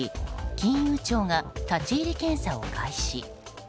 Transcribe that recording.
金融庁が立ち入り検査を開始。